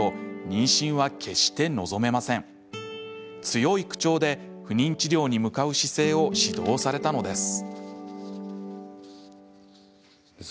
強い口調で不妊治療に向かう姿勢を指導されたのです。